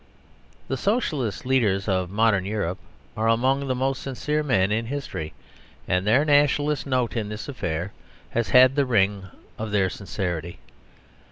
The Socialist leaders of modern Europe are among the most sincere men in history; and their Nationalist note in this affair has had the ring of their sincerity.